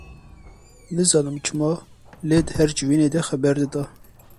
Nizanim çima lê di her civînê de xeber dida.